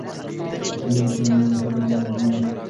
د څېړنې پایلې د خلکو لپاره واضح دي.